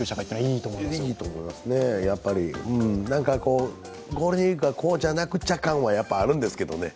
いいと思いますね、ゴールデンウイークはこうじゃなくちゃ感はあるんですけどね。